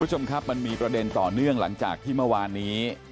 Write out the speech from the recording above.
คุณผู้ชมครับมันมีประเด็นต่อเนื่องหลังจากที่เมื่อวานนี้